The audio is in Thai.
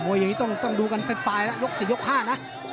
อย่างนี้ต้องดูกันเป็นปลายแล้วยก๔ยก๕นะ